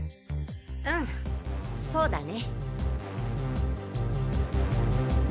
うんそうだね。